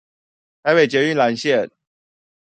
臺北捷運藍線